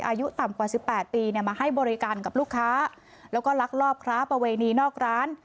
อายุต่ำกว่า๑๘ปีมาให้บริการกับลูกค้าและลักลอบค้าประเวณีนอกร้าน